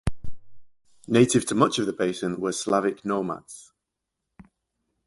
Native to much of the basin were Slavic nomads.